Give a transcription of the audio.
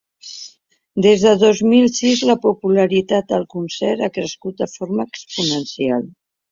Des del dos mil sis la popularitat del concert ha crescut de forma exponencial.